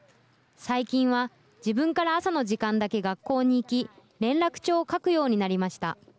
最近は自分から朝の時間だけ学校に行き、連絡帳を書くようになりました。